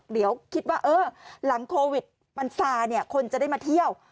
เดี๋ยวคิดว่าเออหลังโควิดมันซาเนี่ยคนจะได้มาเที่ยว